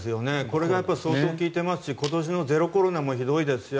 これが相当効いていますし今年のゼロコロナもひどいですし